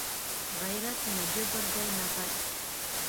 غیرت نه جبر دی نه غچ